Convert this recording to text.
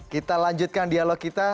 kita lanjutkan dialog kita